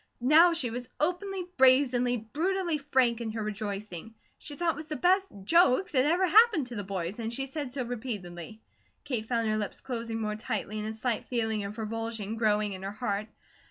Now she was openly, brazenly, brutally, frank in her rejoicing. She thought it was the best "JOKE" that ever happened to the boys; and she said so repeatedly. Kate found her lips closing more tightly and a slight feeling of revulsion growing in her heart.